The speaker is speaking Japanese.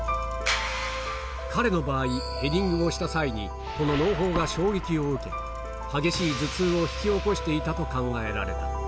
彼の場合、ヘディングをした際にこののう胞が衝撃を受け、激しい頭痛を引き起こしていたと考えられた。